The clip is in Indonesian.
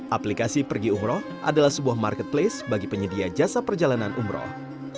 aplikasi pergi umroh adalah sebuah marketplace bagi penyedia jasa perjalanan umroh